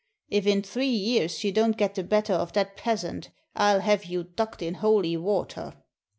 If in three years you don't get the better of that peasant, I '11 have you ducked in holy water!"